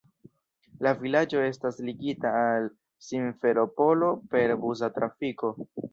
La vilaĝo estas ligita al Simferopolo per busa trafiko.